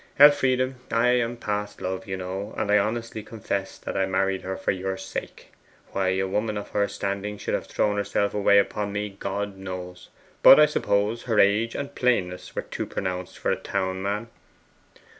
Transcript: Elfride, I am past love, you know, and I honestly confess that I married her for your sake. Why a woman of her standing should have thrown herself away upon me, God knows. But I suppose her age and plainness were too pronounced for a town man.